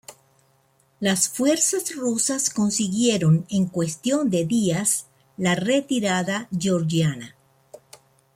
Las fuerzas rusas consiguieron en cuestión de días la retirada georgiana.